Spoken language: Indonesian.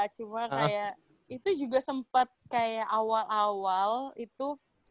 cuma kayak itu juga sempat kayak awal awal itu